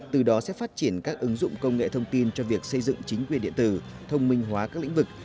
từ đó sẽ phát triển các ứng dụng công nghệ thông tin cho việc xây dựng chính quyền điện tử thông minh hóa các lĩnh vực